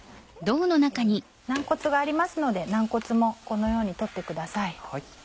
軟骨がありますので軟骨もこのように取ってください。